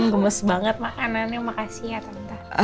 gemes banget makanannya makasih ya ternyata